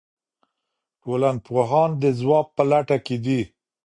ټولنپوهان د ځواب په لټه کې دي.